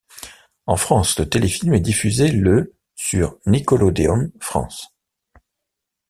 En France, le téléfilm est diffusé le sur Nickelodeon France.